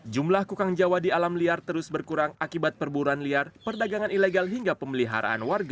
jumlah kukang jawa di alam liar terus berkurang akibat perburuan liar perdagangan ilegal hingga pemeliharaan warga